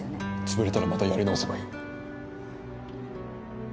潰れたらまたやり直せばいい。